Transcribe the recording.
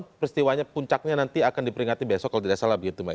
jadi peristiwanya puncaknya nanti akan diperingati besok kalau tidak salah begitu mbak ya